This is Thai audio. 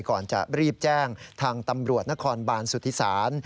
ก่อนจะรีบแจ้งทางตำรวจนครบานสุธิศาล